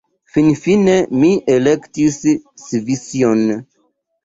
Finfine mi elektis Svision.